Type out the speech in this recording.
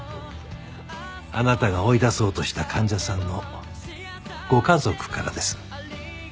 あなたが追い出そうとした患者さんのご家族からです。